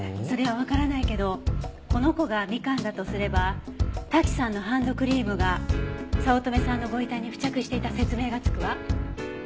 それはわからないけどこの子がみかんだとすれば滝さんのハンドクリームが早乙女さんのご遺体に付着していた説明がつくわ。